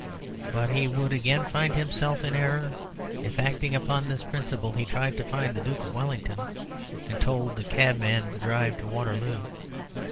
But he would again find himself in error if, acting upon this principle, he tried to find the Duke of Wellington, and told the cabman to drive to Waterloo.